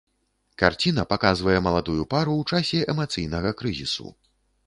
Карціна паказвае маладую пару ў часе эмацыйнага крызісу.